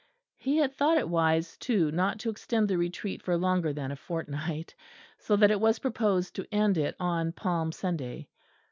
He had thought it wise too not to extend the Retreat for longer than a fortnight; so that it was proposed to end it on Palm Sunday.